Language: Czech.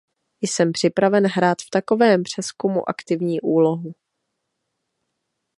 Jsem připraven hrát v takovém přezkumu aktivní úlohu.